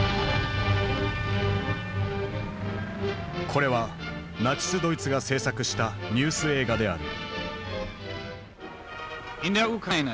これはナチスドイツが制作したニュース映画である。